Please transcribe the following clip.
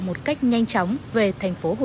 một cách nhanh chóng về tp hcm